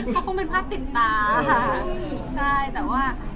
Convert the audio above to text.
เค้าคงเป็นภาซติดตา